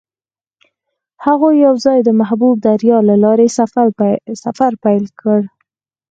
هغوی یوځای د محبوب دریا له لارې سفر پیل کړ.